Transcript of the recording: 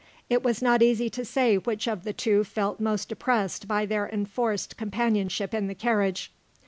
It is not easy to say which of the two felt most oppressed by their enforced companionship in the carriage.